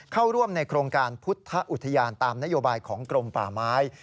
เข้าร่วมในโครงการพุทธอุทยานตามนโยบายของกรมป่าไม้